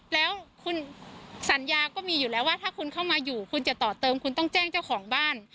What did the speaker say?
แล้วคุณสัญญาก็มีอยู่แล้วว่าถ้าคุณเข้ามาอยู่คุณจะต่อเติมคุณต้องแจ้งเจ้าของบ้าน